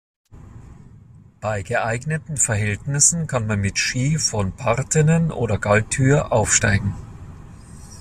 Bei geeigneten Verhältnissen kann man mit Ski von Partenen oder Galtür aufsteigen.